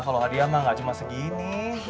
kalau hadiah mah gak cuma segini